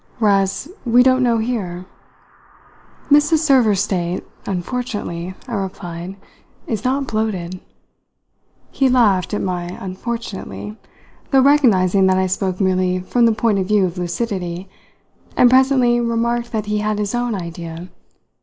"Whereas we don't know here?" "Mrs. Server's state, unfortunately," I replied, "is not bloated." He laughed at my "unfortunately," though recognising that I spoke merely from the point of view of lucidity, and presently remarked that he had his own idea.